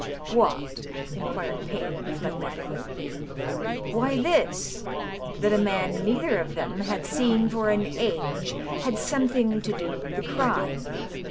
" What ?" inquired Payne, phl^matically. " Why^ this : that a man neither of them had seen for an i^ had something to do with the crime.